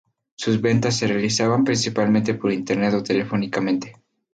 Sus ventas se realizaban principalmente por internet o telefónicamente.